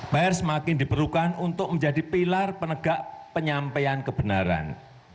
pr semakin diperlukan untuk menjadi pilar penegak penyampaian kebenaran